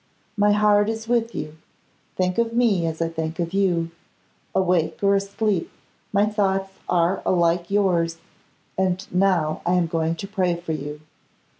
My heart is with you. Think of me as I think of you. Awake or asleep my thoughts are alike yours, and now I am going to pray for you.